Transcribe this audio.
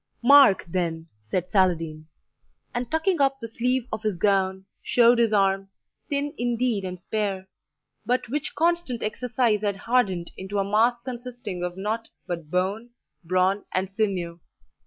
"Mark, then," said Saladin; and tucking up the sleeve of his gown, showed his arm, thin indeed and spare, but which constant exercise had hardened into a mass consisting of nought but bone, brawn, and sinew.